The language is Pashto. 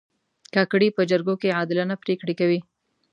کاکړي په جرګو کې عادلانه پرېکړې کوي.